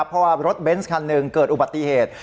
เพราะว่ารถเบนส์คันหนึ่งเกิดอุบัติเหตุ